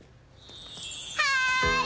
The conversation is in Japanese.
はい！